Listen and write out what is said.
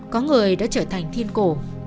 có người đã trở thành thiên cổ